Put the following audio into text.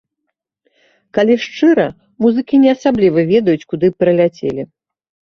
Калі шчыра, музыкі не асабліва ведаюць, куды прыляцелі.